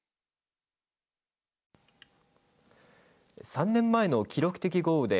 ３年前の記録的豪雨で